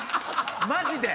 マジで！